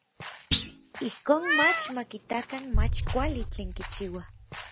Ijkon mach ma kitakan mach kuali tlen kichiua.